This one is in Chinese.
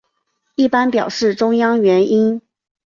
一般表示中央元音。